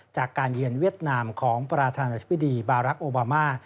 จากการเยียนเวียดนามของประธานาภิกษ์บิดีบารักษ์โอบามา